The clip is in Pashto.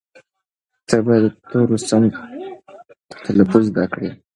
ته باید د تورو سم تلفظ زده کړې.